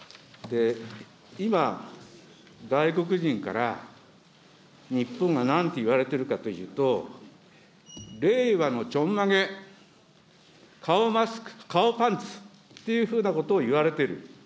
今、外国人から、日本がなんて言われてるかというと、令和のちょんまげ、顔マスク、顔パンツというようなことを言われている。